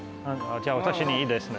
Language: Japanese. じゃあ私にいいですね。